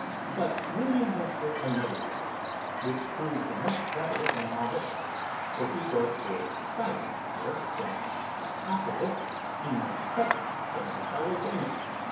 But William was for another way, which proved much better than all this; for he was for silent work, that, if possible, he might catch some of the fellows in it.